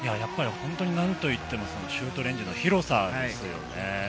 なんと言ってもシュートレンジの広さですよね。